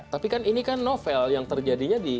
tapi kan ini kan novel yang terjadinya di